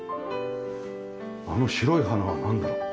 あの白い花はなんなの？